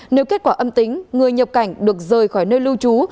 nếu kết quả âm tính người nhập cảnh được rời khỏi nơi lưu trú